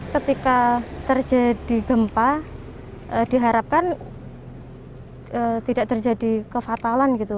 ketika terjadi gempa diharapkan tidak terjadi kefatalan gitu